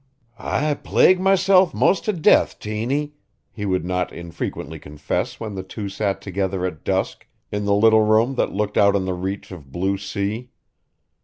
"I plague myself 'most to death, Tiny," he would not infrequently confess when the two sat together at dusk in the little room that looked out on the reach of blue sea.